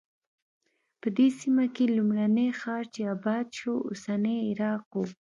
په دې سیمه کې لومړنی ښار چې اباد شو اوسنی عراق و.